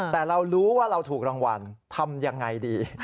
แต่เรารู้ว่าเราถูกรางวัลทำยังไงดี